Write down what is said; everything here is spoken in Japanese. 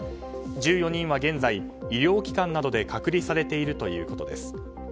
１４人は現在医療機関などで隔離されているということです。